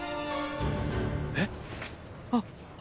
えっ？あっ！